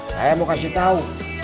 saya mau kasih tahu